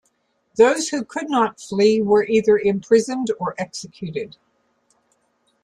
Those who could not flee were either imprisoned or executed.